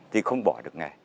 thì không bỏ được nghề